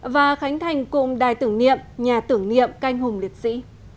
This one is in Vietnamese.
và khánh thành cụm đài tưởng niệm nhà tưởng niệm canh hùng liệt sĩ